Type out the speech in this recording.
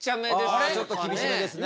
ちょっと厳しめですね。